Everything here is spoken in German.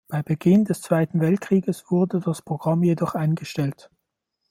Bei Beginn des Zweiten Weltkrieges wurde das Programm jedoch eingestellt.